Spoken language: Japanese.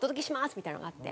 みたいなのがあって。